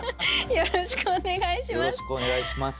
よろしくお願いします。